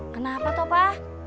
kenapa tuh pa